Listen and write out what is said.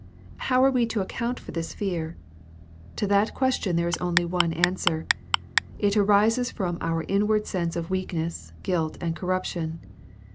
How are we to account for this fear ? To that ques tion there is only one answer. It arises from our inward sense of weakness, guilt, and corruption.